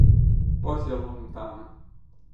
Poi si allontana.